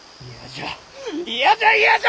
嫌じゃ嫌じゃ！